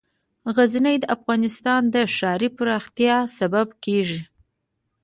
غزني د افغانستان د ښاري پراختیا سبب کېږي.